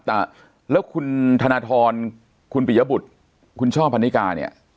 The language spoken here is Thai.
แต่แล้วคุณธนทรคุณปิยบุตรคุณช่อพันนิกาเนี่ย